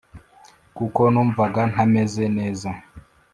kuko numvaga ntameze neza,